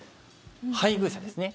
配偶者ですね。